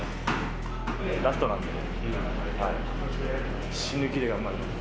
ラストなんで、死ぬ気で頑張ります。